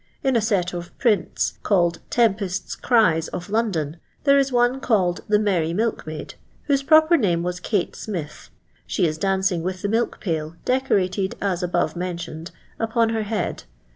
In a set of prints, called * Tempest's Cries of London,' there is one called iho ' Merry Milkmaid,' whose proper name \\i\A Kate Smith. She is dancing with the milk pail, decorated ns above mentioned, upon her head.